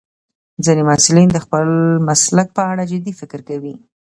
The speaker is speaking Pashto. ځینې محصلین د خپل مسلک په اړه جدي فکر کوي.